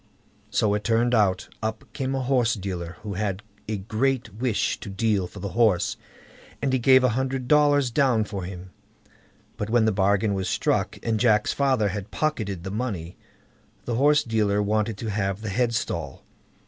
So it turned out. Up came a horse dealer, who had a great wish to deal for the horse, and he gave a hundred dollars down for him; but when the bargain was struck, and Jack's father had pocketed the money, the horse dealer wanted to have the headstall.